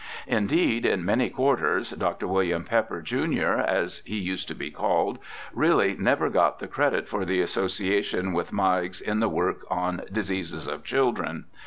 Indeed, in many quarters. Dr. WiUiam Pepper, jun., as he used to be called, really never got the credit for the association with Meigs in the work on Diseases of Children.